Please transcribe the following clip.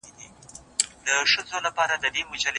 پر زړو هیرو جنډیو به لا نوي زرغونیږي